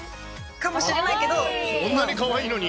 こんなにかわいいのに。